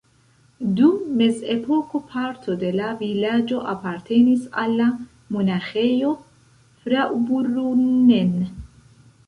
Dum mezepoko parto de la vilaĝo apartenis al la Monaĥejo Fraubrunnen.